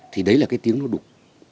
thì đấy là cái tiếng nó đục